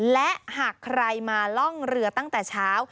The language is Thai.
และหากใครมาล่องเรือตั้งแต่เช้า